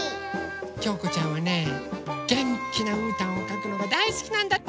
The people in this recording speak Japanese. きょうこちゃんはねげんきなうーたんをかくのがだいすきなんだって！